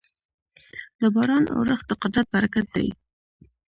د باران اورښت د قدرت برکت دی.